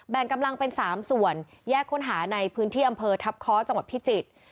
กำลังเป็น๓ส่วนแยกค้นหาในพื้นที่อำเภอทัพค้อจังหวัดพิจิตร